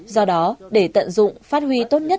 do đó để tận dụng phát huy tốt nhất